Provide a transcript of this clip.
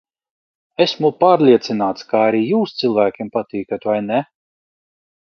Esmu pārliecināts, ka arī jūs cilvēkiem patīkat, vai ne?